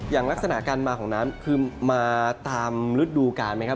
ลักษณะการมาของน้ำคือมาตามฤดูกาลไหมครับ